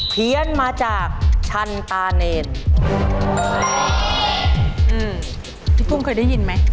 พี่ฟุนเคยได้ยินไหม